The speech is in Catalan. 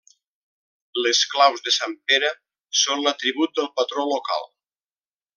Les claus de Sant Pere són l'atribut del patró local.